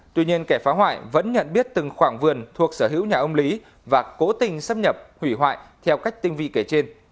tuy nhiên kẻ phá hoại vẫn nhận biết từng khoảng vườn thuộc sở hữu nhà ông lý và cố tình xâm nhập hủy hoại theo cách tinh vị kể trên